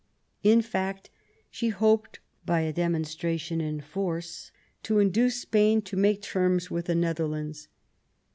In fact, she hoped by a demonstration in force to induce Spain to make terms with the Netherlands.